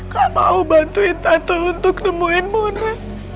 kau mau bantuin tante untuk nemuin mona